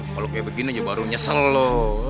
kalau kayak begini aja baru nyesel lho